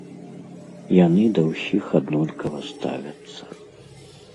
Яны да ўсіх аднолькава ставяцца.